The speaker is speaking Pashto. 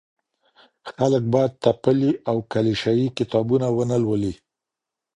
خلګ بايد تپلي او کليشه يي کتابونه ونه لولي.